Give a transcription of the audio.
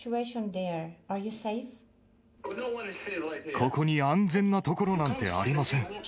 ここに安全な所なんてありません。